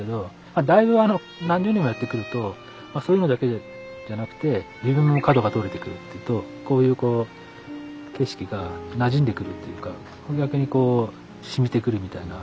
まあだいぶ何十年もやってくるとまあそういうのだけじゃなくて自分の角が取れてくるっていうとこういうこう景色がなじんでくるっていうか逆にこうしみてくるみたいな。